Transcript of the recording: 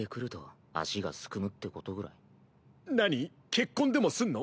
結婚でもすんの？